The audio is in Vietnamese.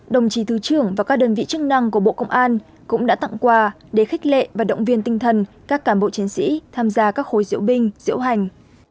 đồng chí thứ trưởng và các đơn vị chức năng của bộ công an cũng đã tặng quà để khích lệ và động viên tinh thần các cán bộ chiến sĩ tham gia các khối diễu binh diễu hành